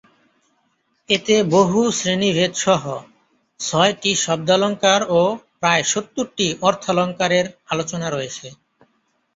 এতে বহু শ্রেণিভেদসহ ছয়টি শব্দালঙ্কার ও প্রায় সত্তরটি অর্থালঙ্কারের আলোচনা রয়েছে।